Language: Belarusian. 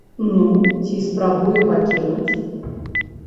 Ну, ці спрабуе пакінуць.